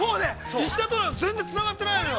石田と全然つながってないのよ。